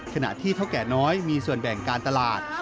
ขณะที่เท่าแก่น้อยมีส่วนแบ่งการตลาด